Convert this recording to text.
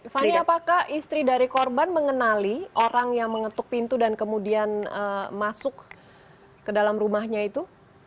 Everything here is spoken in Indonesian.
fani apakah istri dari korban mengenali orang yang mengetuk pintu dan kemudian masuk ke dalam rumahnya itu